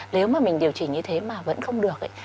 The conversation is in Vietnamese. nếu mà mình điều chỉnh như thế mà vẫn không được ấy